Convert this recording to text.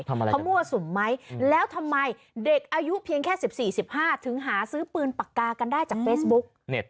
เขามั่วสุมไหมแล้วทำไมเด็กอายุเพียงแค่๑๔๑๕ถึงหาซื้อปืนปากกากันได้จากเฟซบุ๊ก